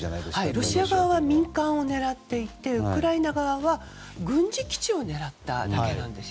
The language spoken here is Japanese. ロシア側は民間を狙っていてウクライナ側は軍事基地を狙っただけなんです。